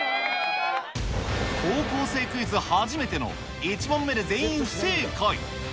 高校生クイズ初めての１問目で全員不正解。